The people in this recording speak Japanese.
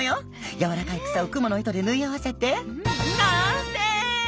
やわらかい草をクモの糸で縫い合わせて完成！